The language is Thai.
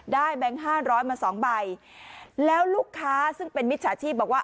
ได้แบงค์๕๐๐มา๒ใบแล้วลูกค้าซึ่งเป็นมิจฉาชีพบอกว่า